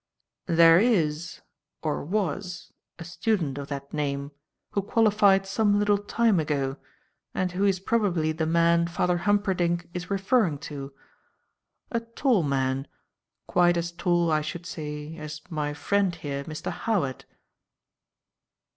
"There is, or was, a student of that name, who qualified some little time ago, and who is probably the man Father Humperdinck is referring to. A tall man; quite as tall, I should say, as my friend here, Mr. Howard."